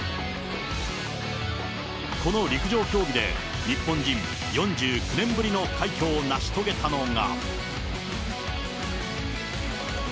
この陸上競技で日本人４９年ぶりの快挙を成し遂げたのが。